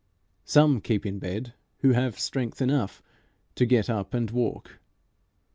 Some keep in bed who have strength enough to get up and walk.